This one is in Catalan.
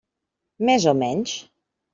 Més o menys.